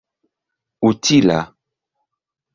utila